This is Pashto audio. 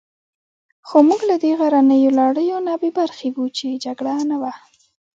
خو موږ له دې غرنیو لړیو نه بې برخې وو، چې جګړه نه وه.